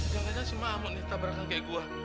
jangan jangan si mahmud ini tak berasal kayak gua